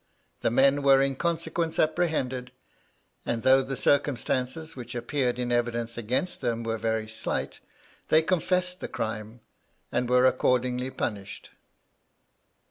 The men were in consequence apprehended, and though the circumstances which appeared in evidence against them were very slight, they confessed the crime, and were accordingly punished.